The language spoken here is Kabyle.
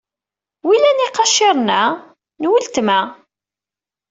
Wilan iqaciren-a? N uletma.